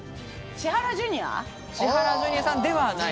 千原ジュニアさんではない。